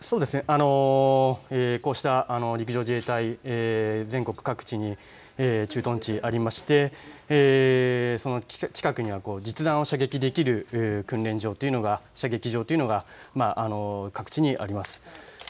こうした陸上自衛隊全国各地に駐屯地、ありましてその近くには実弾を射撃できる射撃場というのが各地にあります。